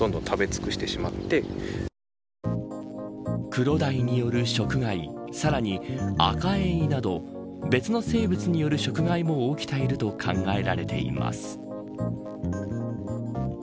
クロダイによる食害さらに、アカエイなど別の生物による食害も起きていると考えられています。